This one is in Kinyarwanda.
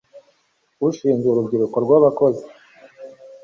ushinzwe urubyiruko rw abakozi